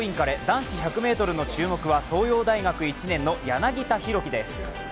男子１００ｍの注目は東洋大学１年の柳田大輝です。